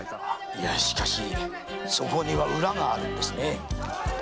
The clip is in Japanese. いやしかしそこには裏があるんです。